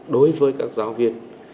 đối với các giáo viên